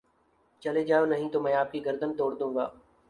چلے جاؤ نہیں تو میں آپ کی گردن تڑ دوں گا